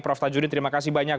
prof tajudin terima kasih banyak